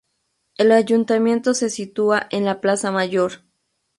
El Ayuntamiento se sitúa en la Plaza Mayor.